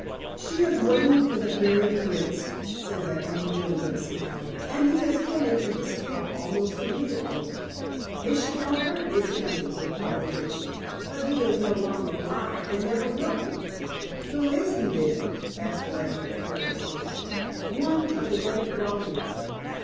"She is waiting for the fairy prince," said that young gentleman smiling. "And he is coming to this camp almost immediately." "Ishmael Hearne is coming," replied the gypsy. "But he is no rom of mine, and never will be." "Who is he, then?" asked Lambert carelessly. "One of the great Romany."